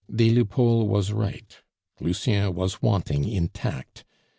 Des Lupeaulx was right; Lucien was wanting in tact.